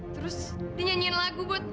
terus dia nyanyiin lagu buat gue